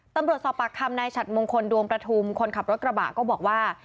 ตำรวจสอบปากคำนายฉัดมงคลดวงประทุมคนขับรถกระบะก็บอกว่า